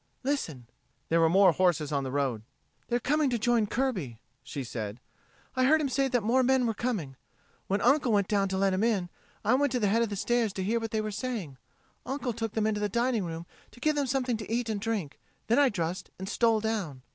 Listen!" There were more horses on the road. "They're coming to join Kirby," she said. "I heard him say that more men were coming. When Uncle went down to let them in, I went to the head of the stairs to hear what they were saying. Uncle took them into the dining room to give them something to eat and drink; then I dressed and stole down."